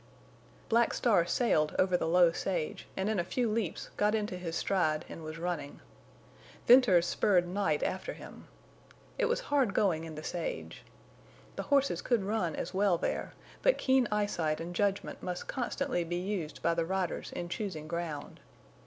Black Star sailed over the low sage, and in a few leaps got into his stride and was running. Venters spurred Night after him. It was hard going in the sage. The horses could run as well there, but keen eyesight and judgment must constantly be used by the riders in choosing ground.